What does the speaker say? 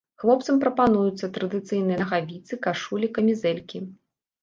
Хлопцам прапануюцца традыцыйныя нагавіцы, кашулі, камізэлькі.